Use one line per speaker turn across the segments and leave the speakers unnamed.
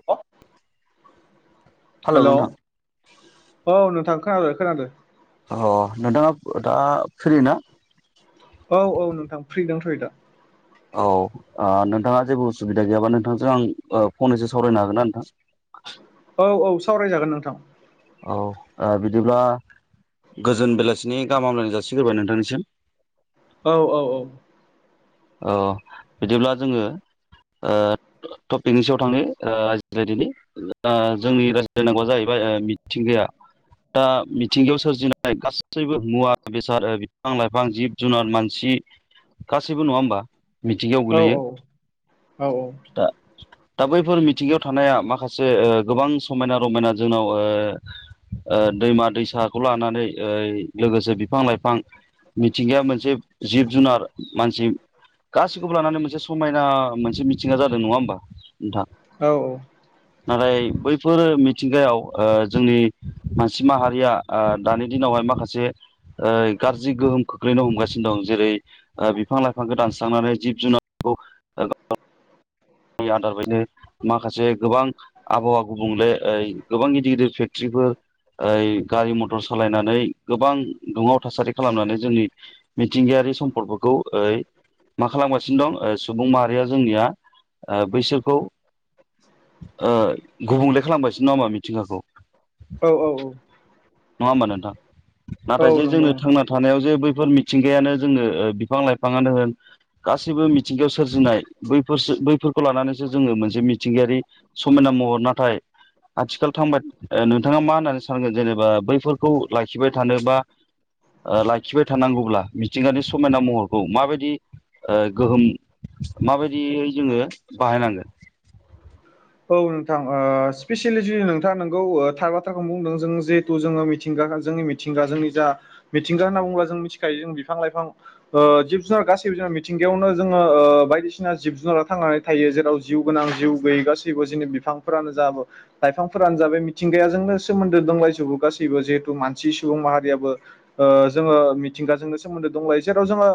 Hello
hello नोंथां
औ नोंथां खोनादों खोनादों
अ नोंथांङा फो दा फ्रि ना?
औ औ नोंथां फ्रि दांथ'यो दा
औ ओ नोंथांङा जेबो उसुबिदा गैयाबा नोंथांजों आं ओ फंनैसो सावरायनो हागोन ना नोंथां? [unintelligible]
औ औ सावरायजागोन नोंथां
औ ओ बिदिब्ला गोजोन बेलासिनि गाहाम हामलायनाय जासिग्रोबाय नोंथांनिसिम
औ औ औ
औ बिदिब्ला जोङो टपिकनि सायाव थाङो आ जोङो दिनै जोंनि रायज्लायनांगौआ जाहैबाय मिथिंगाया दा मिथिंगायाव सोरजिनाय गासैबो मुवा बेसाद बिफां लाइफां जिब जुनार मानसि सि गासैबो नङा होमबा मिथिंगायाव
औ
गोलैयो
औ
दा दा बैफोर मिथिंगायाव थानाया माखासे गोबां समायना रमायना जोंनाव दैमा दैसाखौ लानानै लोगोसे बिफां लाइफां मिथिंगाया मोनसे जिब जुनार मानसि गासिखौबो लानानै मोनसे समायना मोनसे मिथिंगा जादों नङा होमबा नोंथां
औ औ
नाथाय बैफोर मिथिंगायाव जोंनि मानसि माहारिया दानि दिनावहाय माखासे गाज्रि गोहोम खोख्लैनो हमगासिनो दं जेरै बिफां लाइफां बिफांखौ दानस्रांनानै जिब जुनारखौ आदार बायनो माखासे गोबां आबहावा गुबुंले ऐ गोबां गिदिर गिदिर फेक्टर्रिफोर ओरै गारि मटर सलायनानै गोबां दुंहाव थासारि खालामनानै जोंनि मिथिंगायारि सम्पदफोरखौ ओइ मा खालामगासिनो दं ओ सुबुं माहारिया जोंनिया ओ बैसोरखौ थि नामा मिथिंगाखौ
औ औ औ
नङा होमबा नोंथां नाथाय
औ
जे
नंगौ
जोंनो
नोंथां
थांना थानायाव जे बै बेफोर मिथिंगायानो जोङो बिफां लाइफाङानो होन गासैबो मिथिंगायाव सोरजिनाय बैफोरसो बैफोरखौ लानानैसो जोङो मोनसे मिथिंगायारि समायना महर नाथाय आथिखाल थांबाय नोंथाङा मा होननानै सानगोन जेनेबा बैफोरखौ लाखिबाय थानो बा लाखिबाय थानांगौब्ला मिथिंगानि समायना महरखौ माबायदि गोहोम माबायदियै जोङो बाहायनांगोन
औ नोंथां स्पेसिलि जुदि नोंथाङा नोंगौ थार बाथ्राखौ बुंदों जों जिहेथु जोङो मिथिंगा जोंनि मिथिंगा जोंनि जा मिथिंगा होनना बुङोबा जों मिथिखायो जों बिफां लाइफां जिब जुनार गासिबो मिथिंगायावनो जोङो बायदिसिना जिब जुनारा थांनानै थायो जेराव जिउ गोनां जिउ गैयै गासि जियग जिंनो बिफांफोरानो जाबो लाइफांफोरानो जाबाय मिथिंगायाजोंनो सोमोन्दो दंलायजोबो गासैबो जे मानसि सुबुं माहारियाबो जोङो मिथिंगाजोंनो सोमोन्दो दंलायो जेराव जोङो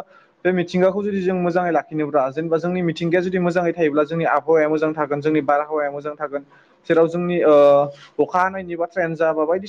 बे मिथिगाखौ जुदि जों मोजाङै लाखिनोब्ला जेनेबा जोंनि मिथिंया जुदि मोजाङै थायोब्ला जोंनि आबहावाया मोजां थागोन जोंनि बारा हावआ मोजां थागोन जेराव जोंनि अखा हानायनि बाथ्रायानो जा बा बायदिसि